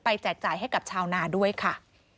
แจกจ่ายให้กับชาวนาด้วยค่ะ